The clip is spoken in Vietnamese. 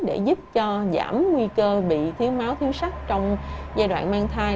để giúp cho giảm nguy cơ bị thiếu máu thiếu sắc trong giai đoạn mang thai